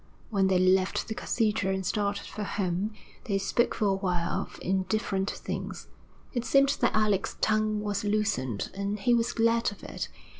When they left the cathedral and started for home, they spoke for a while of indifferent things. It seemed that Alec's tongue was loosened, and he was glad of it.